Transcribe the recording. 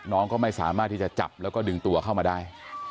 น้องก็ไม่สามารถที่จะจับแล้วก็ดึงตัวเข้ามาได้